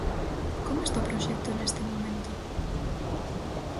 Como está o proxecto neste momento?